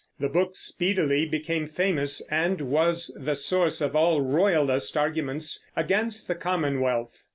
The book speedily became famous and was the source of all Royalist arguments against the Commonwealth.